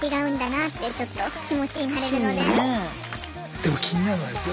でも気になるのはですよ